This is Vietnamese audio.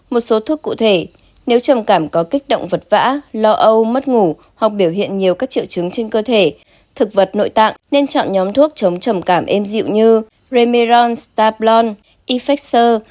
một số thuốc cụ thể nếu trầm cảm có kích động vật vã lo âu mất ngủ hoặc biểu hiện nhiều các triệu chứng trên cơ thể thực vật nội tạng nên chọn nhóm thuốc chống trầm cảm êm dịu như remeron starplon ifaxur